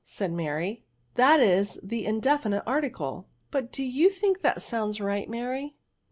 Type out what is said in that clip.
'* said Mary ;'^ that is the indefinite article/' ^' But do you think that sounds rights Mary?"